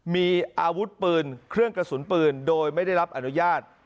มีอาวุธปืนเครื่องกระสุนปืนโดยไม่ได้รับอนุญาต